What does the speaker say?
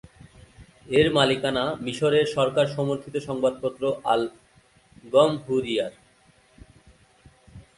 এর মালিকানা মিসরের সরকার সমর্থিত সংবাদপত্র "আল গমহুরিয়ার।"